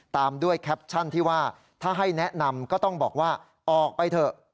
ตามด้วยแคปชั่นที่ว่าถ้าให้แนะนำก็ต้องบอกว่าออกไปเถอะ